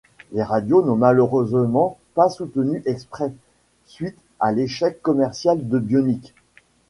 Les radios n'ont malheureusement pas soutenu Express, suite à l’échec commercial de Bionic.